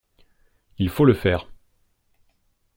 Il faut le faire